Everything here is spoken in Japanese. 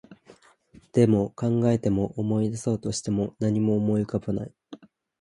でも、考えても、思い出そうとしても、何も思い浮かばない